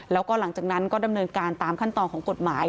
แล้วก็หลังจากนั้นก็ดำเนินการตามขั้นตอนของกฎหมาย